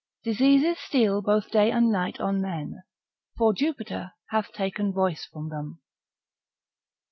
Diseases steal both day and night on men, For Jupiter hath taken voice from them.